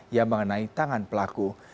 yang mengenai tangan pelaku